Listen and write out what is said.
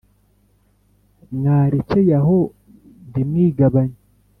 mwarecyeye aho ntimwigabanye